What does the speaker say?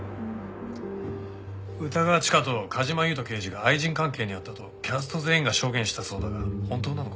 歌川チカと梶間優人刑事が愛人関係にあったとキャスト全員が証言したそうだが本当なのか？